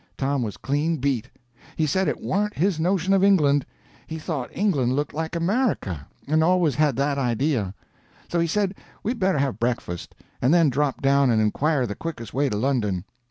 Tom was clean beat. He said it warn't his notion of England; he thought England looked like America, and always had that idea. So he said we better have breakfast, and then drop down and inquire the quickest way to London.